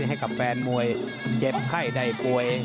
ให้กับแฟนมวยเจ็บไข้ได้ป่วย